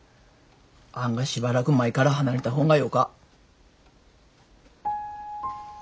あがしばらく舞から離れた方がよか。